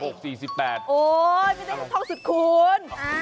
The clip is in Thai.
โอ้ยไม่ใช่ที่ท้องสุดคุณ